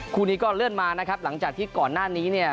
คู่นี้ก็เลื่อนมานะครับหลังจากที่ก่อนหน้านี้เนี่ย